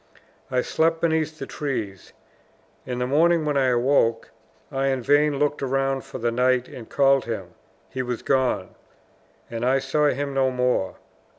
I slept beneath the trees. In the morning, when I awoke, I in vain looked round for the knight and called him; he was gone; and I saw him no more.